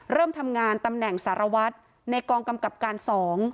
เริ่มทำงานตำแหน่งสารวัตรในกองกำกับการ๒